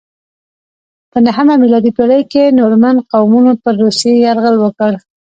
په نهمه میلادي پیړۍ کې نورمن قومونو پر روسیې یرغل وکړ.